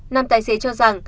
năm tài xế cho ra